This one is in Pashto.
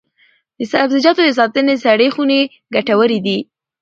د سبزیجاتو د ساتنې سړې خونې ګټورې دي.